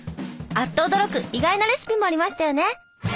あっと驚く意外なレシピもありましたよね。